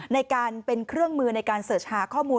ในการเป็นเครื่องมือในการเสิร์ชหาข้อมูล